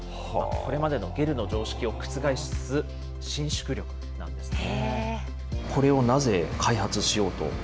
これまでのゲルの常識を覆す伸縮力なんですね。